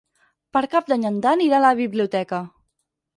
Per Cap d'Any en Dan irà a la biblioteca.